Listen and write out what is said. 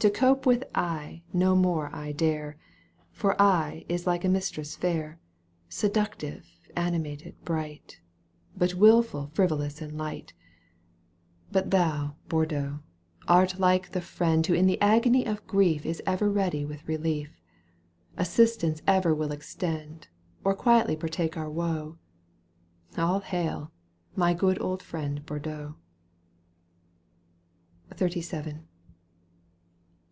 To cope with Ay no more I dare, For Ay is like a mistress fair, Seductive, animated, bright. But wilful, frivolous, and light Digitized by VjOOQ 1С I CANTO IV. EUGENE ONIEGUINE. 121 ^ But thou, Bordeaux, art like the friend Who in the agony of grief Is ever ready with relief, Assistance ever will extend, Or quietly partake our woe. All hail ! my good old friend Bordeaux ! XXXVII.